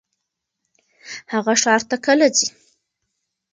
هغه ښار ته کله ځي؟